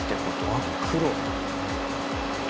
真っ黒。